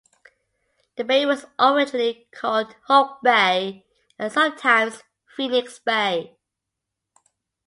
The bay was originally called Hulk Bay and sometimes Phoenix Bay.